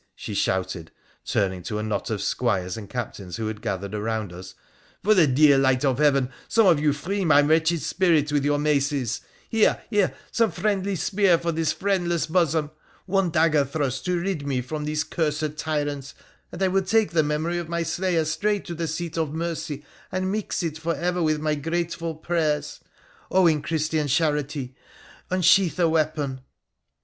she shouted, turning to a knot of squires and captains who had gathered around us — 'for the dear Light of Heaven some of you free my wretched spirit with your maces, here — here — some friendly spear for this friend less bosom — one dagger thrust to rid me from these cursed tyrants, and I will take the memory of my slayer straight to the seat of mercy and mix it for ever with my grateful prayers. Oh, in Christian charity unsheath a weapon